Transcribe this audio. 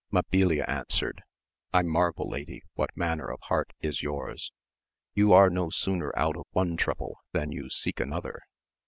Mabilia answered, I marvel lady what manner of heart is yours ! you are no sooner out of one trouble than you seek another.